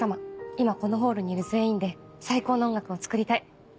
今このホールにいる全員で最高の音楽をつくりたい。